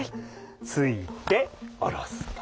突いて下ろすと。